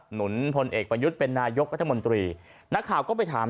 หนุนพลเอกประยุทธ์เป็นนายกรัฐมนตรีนักข่าวก็ไปถาม